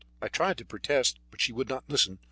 I tried to protest, but she would not listen.